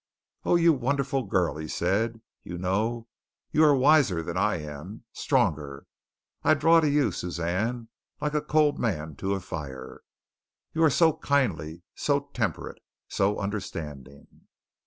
"Oh, you wonderful girl!" he said. "You know you are wiser than I am, stronger. I draw to you, Suzanne, like a cold man to a fire. You are so kindly, so temperate, so understanding!"